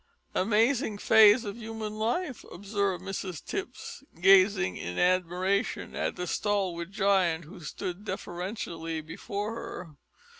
"Amazing phase of human life!" observed Mrs Tipps, gazing in admiration at the stalwart giant who stood deferentially before her.